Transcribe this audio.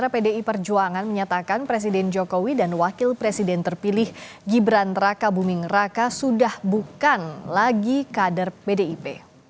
pdi perjuangan menyatakan presiden jokowi dan wakil presiden terpilih gibran raka buming raka sudah bukan lagi kader pdip